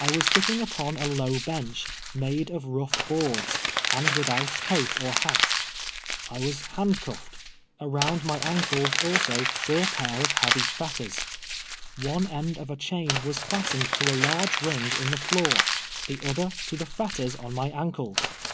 I was sitting upon a low ])eneh, maile of rou>;'li Itoards. and witliout coat or liat. I was iiaiuhcutiech ^\i'ound my ankles alsi. were a ])air of lieavy fetters. One end of a chain was fastened to a lar^ e rin<j: in the floor, the other to the fetters on my ankles.